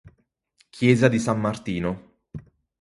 Chiesa di San Martino